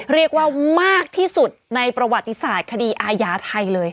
เรียกว่ามากที่สุดในประวัติศาสตร์คดีอาญาไทยเลย